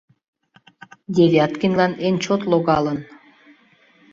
Девяткинлан эн чот логалын.